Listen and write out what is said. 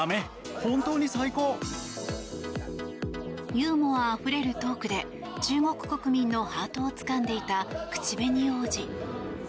ユーモアあふれるトークで中国国民のハートをつかんでいた口紅王子。